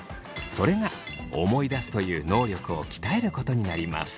それが思い出すという能力を鍛えることになります。